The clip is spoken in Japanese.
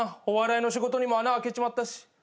お笑いの仕事にも穴あけちまったし。